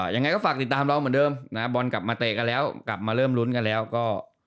ยังไงก็ฝากติดตามเราเหมือนเดิมนะบอลกลับมาเตะกันแล้วกลับมาเริ่มรุ้นกันแล้วก็